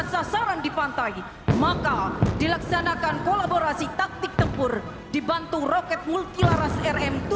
sasaran di pantai maka dilaksanakan kolaborasi taktik tempur dibantu roket multilaras rm tujuh